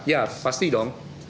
ya pasti dong